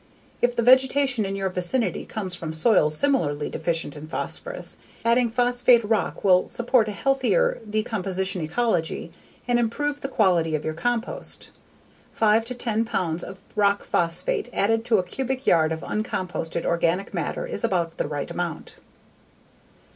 If the vegetation in your vicinity comes from soils similarly deficient in phosphorus, adding phosphate rock will support a healthier decomposition ecology and improve the quality of your compost. Five to ten pounds of rock phosphate added to a cubic yard of uncomposted organic matter is about the right amount.